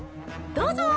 どうぞ。